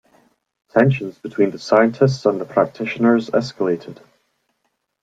Tensions between the scientists and the practitioners escalated.